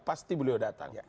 pasti beliau datang